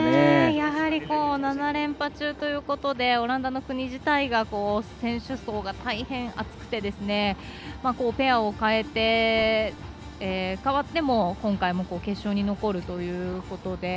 やはり７連覇中ということでオランダの国自体が選手層が大変厚くてペアが変わっても決勝に残るということで。